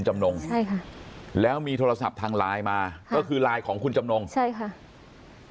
จำนงใช่ค่ะแล้วมีโทรศัพท์ทางไลน์มาก็คือไลน์ของคุณจำนงใช่ค่ะ